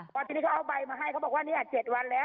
พอทีนี้เขาเอาใบมาให้เขาบอกว่านี่๗วันแล้ว